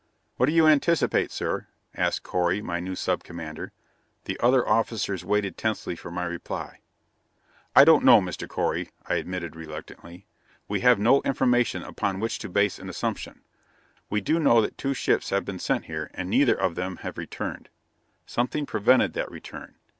"What do you anticipate, sir?" asked Correy, my new sub commander. The other officers waited tensely for my reply. "I don't know, Mr. Correy," I admitted reluctantly. "We have no information upon which to base an assumption. We do know that two ships have been sent here, and neither of them have returned. Something prevented that return.